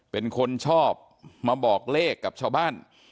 เป็นคนชอบมาบอกเลขกับชาวบ้าน